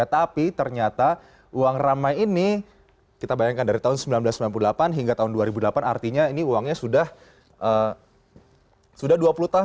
tapi ternyata uang ramai ini kita bayangkan dari tahun seribu sembilan ratus sembilan puluh delapan hingga tahun dua ribu delapan artinya ini uangnya sudah dua puluh tahun